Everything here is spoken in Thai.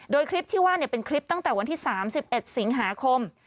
โดยคลิปที่ว่าเป็นคลิปตั้งแต่วันที่๓๑สิงหาคม